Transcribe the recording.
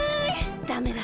ダメだ。